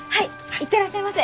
行ってらっしゃいませ！